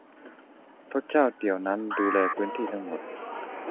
เพราะเจ้าเดียวนั่นดูแลพื้นที่ทั้งหมด